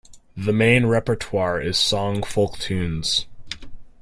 The main repertoire is song folk-tunes.